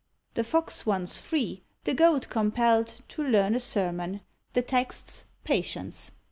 The Fox once free, the Goat compelled To learn a sermon the text's "patience."